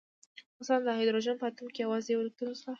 مثلاً د هایدروجن په اتوم کې یوازې یو الکترون شته